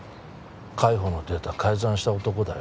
海保のデータ改ざんした男だよ